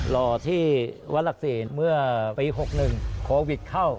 รอที่วัดหลักศรีเมื่อปี๖๑โควิดเข้า